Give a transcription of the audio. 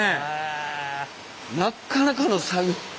なかなかの作業。